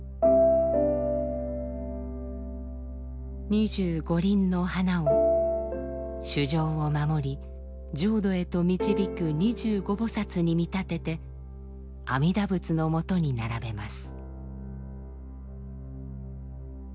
二十五輪の花を衆生を守り浄土へと導く二十五菩薩に見立てて阿弥陀仏のもとに並べます。